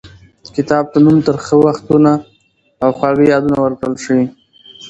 کتاب ته نوم ترخه وختونه او خواږه یادونه ورکړل شوی.